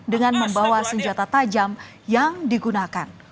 dengan membawa senjata tajam yang digunakan